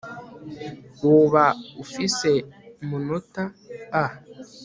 woba ufise munota a